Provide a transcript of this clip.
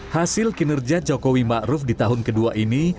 hasil kinerja jokowi ma'ruf di tahun kedua ini